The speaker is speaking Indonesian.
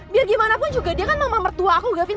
biar gimana pun juga dia kan mama mertua aku gavin